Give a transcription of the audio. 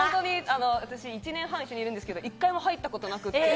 １年半一緒にいるんですけど、１回も入ったことなくて。